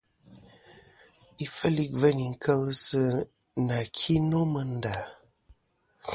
Ifel i gveyn kel sɨ nà ki nô mɨ nda.